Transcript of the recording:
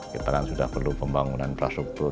kita kan sudah perlu pembangunan infrastruktur